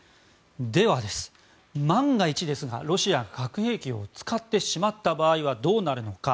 では、万が一ですがロシアが核兵器を使ってしまった場合はどうなるのか。